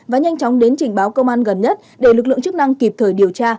và nhanh chóng đến trình báo công an gần nhất để lực lượng chức năng kịp thời điều tra